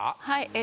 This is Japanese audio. はい。